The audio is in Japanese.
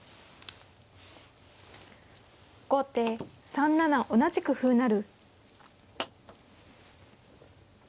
後手３七同じく歩成。